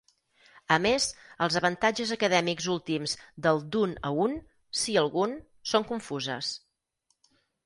A més, els avantatges acadèmics últims del d'un a un, si algun, són confuses.